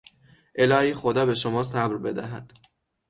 الهی خدا به شما صبر بدهد!